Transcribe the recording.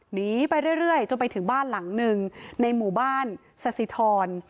หนีไปเรื่อยจนไปถึงบ้านหลังหนึ่งในหมู่บ้านสสิทร